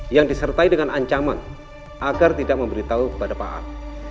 yang disertai dengan ancaman agar tidak memberitahu kepada pak ar